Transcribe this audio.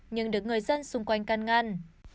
nhưng được người dân xung quanh căn ngăn